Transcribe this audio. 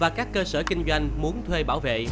và các cơ sở kinh doanh muốn thuê bảo vệ